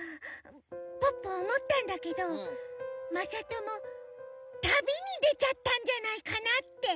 ポッポおもったんだけどまさとも旅にでちゃったんじゃないかなって。